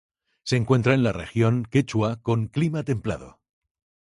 Se encuentra en la Región Quechua, con clima templado.